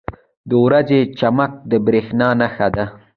• د ورځې چمک د بریا نښه ده.